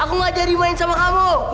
aku nggak jadi main sama kamu